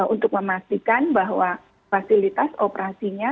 untuk memastikan bahwa fasilitas operasinya